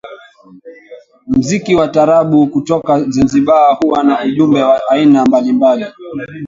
Mziki wa taarabu kutoka zanzibar huwa na ujumbe wa aina mbalimbali